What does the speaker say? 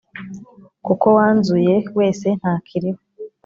Kuko wanzuye wese ntakiriho